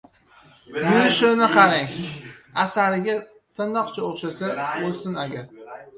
— Yurishini qarang, asariga tirnoqcha o‘xshasa o‘lsin agar!